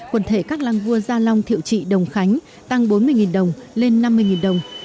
quần thể các lăng vua gia long thiệu trị đồng khánh tăng bốn mươi đồng lên năm mươi đồng